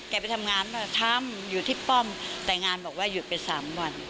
ไปทำงานทำอยู่ที่ป้อมแต่งานบอกว่าหยุดไปสามวัน